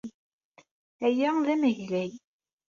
Aya d amaglay.